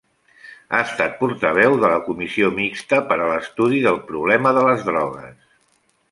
Ha estat Portaveu de la Comissió Mixta per a l'Estudi del Problema de les Drogues.